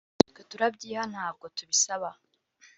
twe turabyiha ntabwo tubisaba”